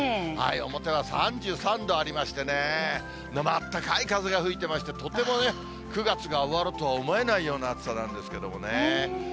表は３３度ありましてね、なまあったかい風が吹いてましてね、とてもね、９月が終わるとは思えないような暑さなんですけれどもね。